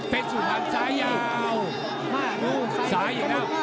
เป็นชุดพันธุ์ซ้ายาว